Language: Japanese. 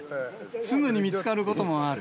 すぐに見つかることもある。